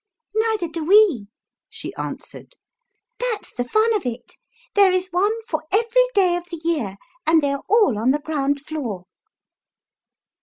"Neither do we/' she answered; "that's the fun of it. There is one for every day of the year, and they are all on the ground floor."